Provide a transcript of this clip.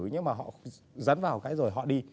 nhưng mà họ dẫn vào cái rồi họ đi